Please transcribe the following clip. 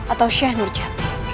atau syekh nurjati